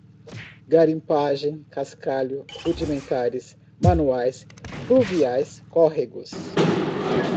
garimpagem, cascalho, rudimentares, manuais, pluviais, córregos